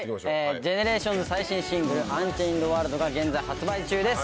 ＧＥＮＥＲＡＴＩＯＮＳ最新シングル『ＵｎｃｈａｉｎｅｄＷｏｒｌｄ』が現在発売中です。